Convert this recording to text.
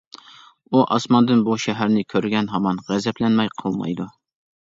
ئۇ ئاسماندىن بۇ شەھەرنى كۆرگەن ھامان غەزەپلەنمەي قالمايدۇ.